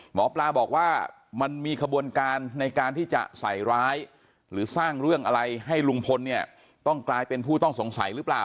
หมอปลาบอกว่ามันมีขบวนการในการที่จะใส่ร้ายหรือสร้างเรื่องอะไรให้ลุงพลเนี่ยต้องกลายเป็นผู้ต้องสงสัยหรือเปล่า